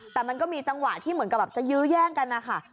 แต่มันก็มีจังหวะที่เหมือนกับแบบจะยื้อแย่งกันนะคะ